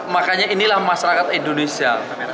makanya inilah masyarakat indonesia